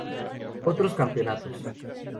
Otros campeonatos